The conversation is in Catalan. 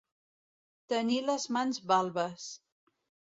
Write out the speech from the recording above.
Tenir les mans balbes.